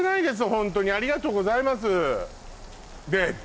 ホントにありがとうございます